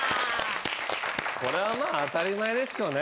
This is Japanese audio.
これはまあ当たり前ですよね。